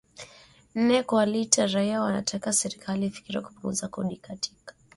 nne kwa lita raia wanataka serikali ifikirie kupunguza kodi katika